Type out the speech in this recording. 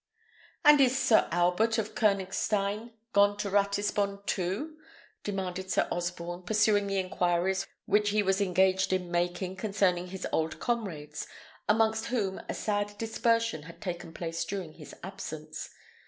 "And is Sir Albert of Koënigstein gone to Ratisbon too?" demanded Sir Osborne, pursuing the inquiries which he was engaged in making concerning his old comrades, amongst whom a sad dispersion had taken place during his absence.